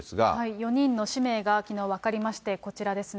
４人の氏名がきのう分かりまして、こちらですね。